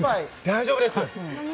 大丈夫です。